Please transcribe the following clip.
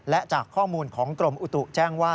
และจากข้อมูลของกรมอุตุแจ้งว่า